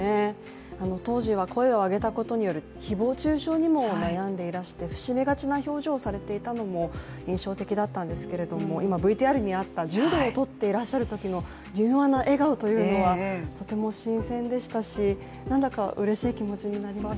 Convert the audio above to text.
当時は声を上げたことによる誹謗中傷にも悩んでいらして伏し目がちな表情をされていたのも印象的だったんですけれども今、ＶＴＲにあった柔道をとっていらっしゃるときの柔和な笑顔っていうのはとても新鮮でしたし、なんだかうれしい気持ちになりました。